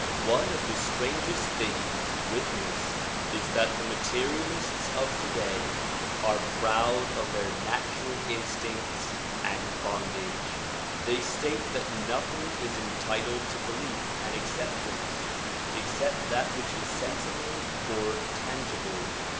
One of the strangest things witnessed is that the materialists of today are proud of their natural instincts and bondage. They state that nothing is entitled to belief and acceptance except that which is sensible or tangible.